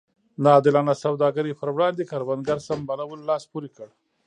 نا عادلانه سوداګرۍ پر وړاندې کروندګرو سمبالولو لاس پورې کړ.